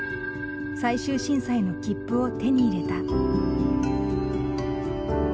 最終審査への切符を手に入れた。